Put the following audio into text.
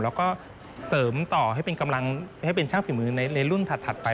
แล้วก็เสริมต่อให้เป็นช่างฝีมือในรุ่นถัดไป